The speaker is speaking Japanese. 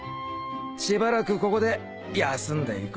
しばらくここで休んでいこうかな。